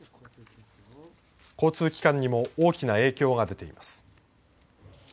交通機関にも大きな影響が出ています。